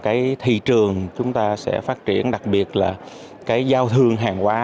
cái thị trường chúng ta sẽ phát triển đặc biệt là cái giao thương hàng quá